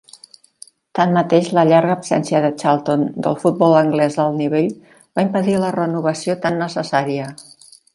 Tanmateix, la llarga absència de Charlton del futbol anglès d'alt nivell va impedir la renovació tan necessària.